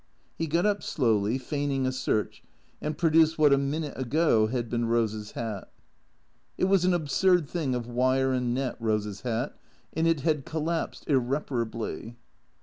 He got up slowly, feigning a search, and produced what a minute ago had been Eose's hat It was an absurd thing of wire and net, Eose's hat, and it had collapsed irreparably.